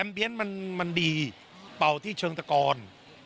เอ็มเบียนมันดีเป่าที่เฉิงตะกอน